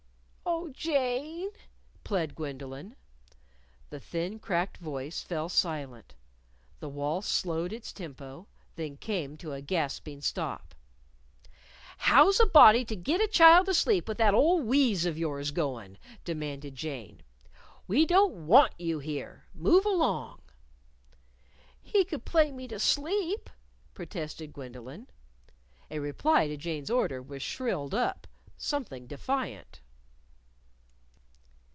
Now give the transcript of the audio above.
"Oh, Jane!" plead Gwendolyn. The thin, cracked voice fell silent. The waltz slowed its tempo, then came to a gasping stop. "How's a body to git a child asleep with that old wheeze of yours goin'?" demanded Jane. "We don't want you here. Move along!" "He could play me to sleep," protested Gwendolyn. A reply to Jane's order was shrilled up something defiant.